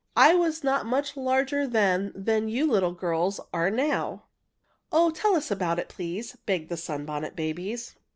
I was not much larger then than you little girls are now." "Oh, tell us about it, please!" begged the Sunbonnet Babies.